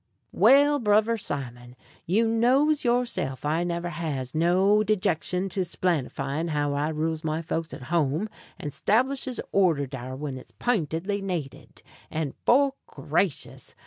_ Well, Brover Simon, you knows yourself I never has no dejection to splanifying how I rules my folks at home, and 'stablishes order dar when it's p'intedly needed; and 'fore gracious!